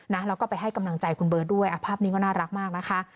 แล้วก็ไปให้กำลังใจคุณเบิร์ตด้วยภาพนี้ก็น่ารักมากนะคะ